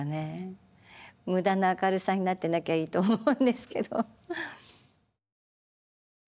無駄な明るさになってなきゃいいと思うんですけど。